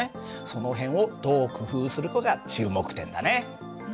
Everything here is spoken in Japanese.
その辺をどう工夫するかが注目点だね。